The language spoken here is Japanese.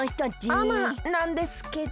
あまなんですけど。